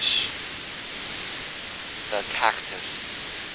] THE CACTUS.